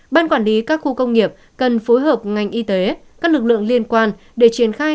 ban quản lý các khu công nghiệp cần phối hợp ngành y tế các lực lượng liên quan để triển khai